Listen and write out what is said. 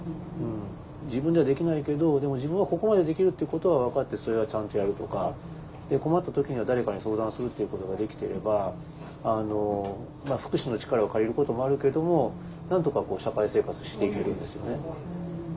自分ではできないけどでも自分はここまでできるっていうことは分かってそれはちゃんとやるとか困った時には誰かに相談するっていうことができてれば福祉の力を借りることもあるけどもなんとか社会生活していけるんですよね。